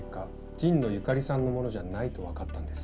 神野由香里さんのものじゃないと分かったんです。